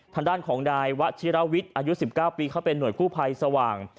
ทางด้านของนายวะชิราวิทย์อายุ๑๙ปีเขาเป็นห่วยกู้ภัยสว่าง